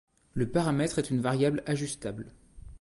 Le paramètre est une variable ajustable.